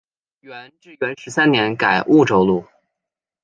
元至元十三年改婺州路。